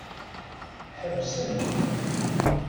Ḥebsent.